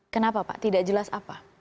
kenapa pak tidak jelas apa